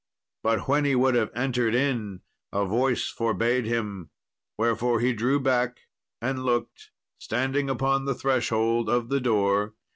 But when he would have entered in, a voice forbad him; wherefore he drew back, and looked, standing upon the threshold of the door.